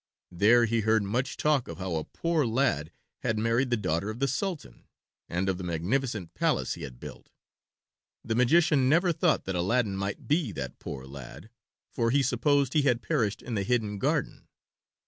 There he heard much talk of how a poor lad had married the daughter of the Sultan, and of the magnificent palace he had built. The magician never thought that Aladdin might be that poor lad, for he supposed he had perished in the hidden garden.